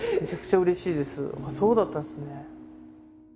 そうだったんですね。